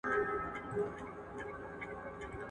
کندهار د ستونزو تر څنګ ډېر ظرفیت لري.